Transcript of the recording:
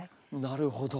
なるほど。